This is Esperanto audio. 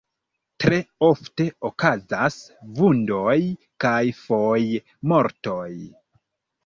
Tre ofte okazas vundoj kaj foje mortoj.